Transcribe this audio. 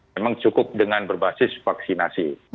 memang cukup dengan berbasis vaksinasi